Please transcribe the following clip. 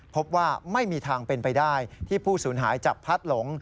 พบว่าไม่มีทางเป็นไปได้ที่ผู้สูญหายจะพัดหลง